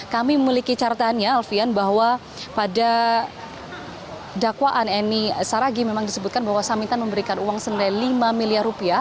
kami memiliki catatannya alfian bahwa pada dakwaan eni saragi memang disebutkan bahwa samintan memberikan uang senilai lima miliar rupiah